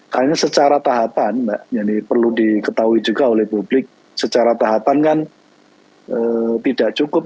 karena secara tahapan perlu diketahui juga oleh publik secara tahapan kan tidak cukup